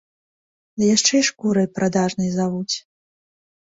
Ды яшчэ і шкурай прадажнай завуць.